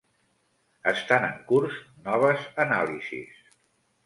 Estan en curs noves anàlisis.